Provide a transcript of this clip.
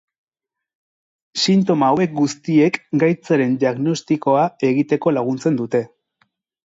Sintoma hauek guztiek gaitzaren diagnostikoa egiteko laguntzen dute.